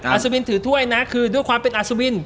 อัศวินถือถ้วยนะคือด้วยความเป็นอัศวิน